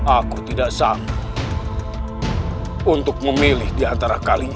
aku tidak sanggup untuk memilih di antara kalian